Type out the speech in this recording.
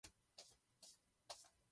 Byl to nejspíš relativně rychlý dinosaurus.